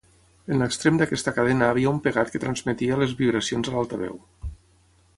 En l’extrem d’aquesta cadena havia un pegat que transmetia les vibracions a l’altaveu.